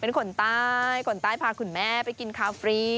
เป็นคนตายคนตายพาคุณแม่ฟรี